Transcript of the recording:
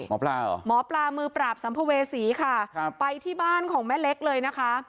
หมอปลาเหรอหมอปลามือปราบสัมภเวษีค่ะครับไปที่บ้านของแม่เล็กเลยนะคะ